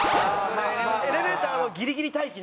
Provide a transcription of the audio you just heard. エレベーターのギリギリ待機ね。